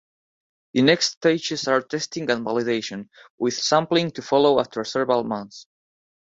The next stages are testing and validation, with sampling to follow after several months.